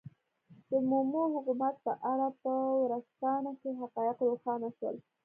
د مومو حکومت په اړه په ورځپاڼه کې حقایق روښانه شول.